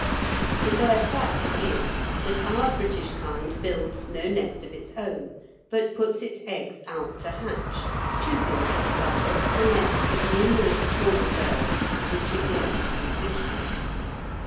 The bare fact is that our British kind builds no nest of its own, but puts its eggs out to hatch, choosing for the purpose the nests of numerous small birds which it knows to be suitable.